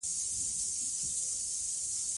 د کورونو زيانمنېدل او د خلکو د ژوند